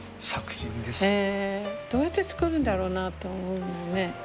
へえどうやって作るんだろうなと思うんだよね。